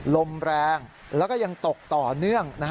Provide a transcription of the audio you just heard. ลมแรงแล้วก็ยังตกต่อเนื่อง